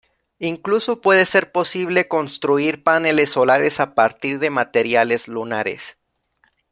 Incluso puede ser posible construir paneles solares a partir de materiales lunares.